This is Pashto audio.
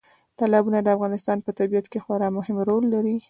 تالابونه د افغانستان په طبیعت کې خورا مهم رول لري.